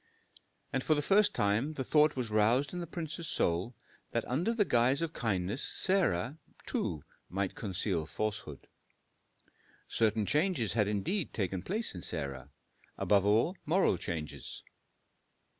And for the first time the thought was roused in the prince's soul, that under the guise of kindness Sarah, too, might conceal falsehood. Certain changes had indeed taken place in Sarah; above all, moral changes.